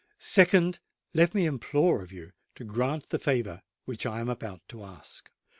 "Secondly, let me implore of you to grant the favour which I am about to ask."